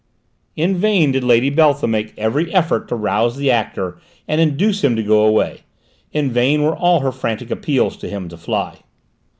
In vain did Lady Beltham make every effort to rouse the actor and induce him to go away; in vain were all her frantic appeals to him to fly.